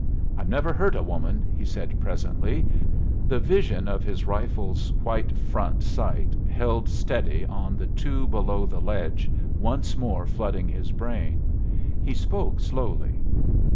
"I've never hurt a woman," he said, presently, the vision of his rifle's white front sight held steady on the two below the ledge once more flooding his brain. He spoke slowly.